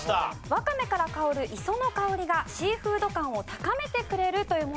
ワカメから香る磯の香りがシーフード感を高めてくれるというものがありました。